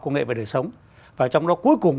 công nghệ về đời sống và trong đó cuối cùng